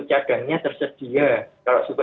cadangnya tersedia kalau suku